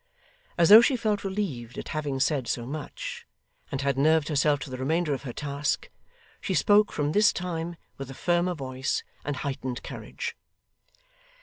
As though she felt relieved at having said so much, and had nerved herself to the remainder of her task, she spoke from this time with a firmer voice and heightened courage.